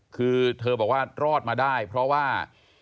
คือเธอบอกว่ารอดมาได้เพราะว่า